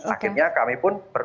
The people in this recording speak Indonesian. akhirnya kami pun